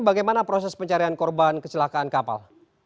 bagaimana proses pencarian korban kecelakaan kapal